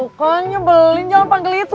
bukan nyebelin jangan panggil itu